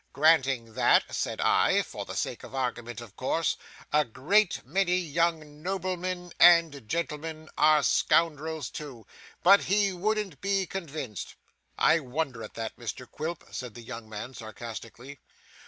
"Granting that," said I (for the sake of argument of course), "a great many young noblemen and gentlemen are scoundrels too!" But he wouldn't be convinced.' 'I wonder at that, Mr Quilp,' said the young man sarcastically.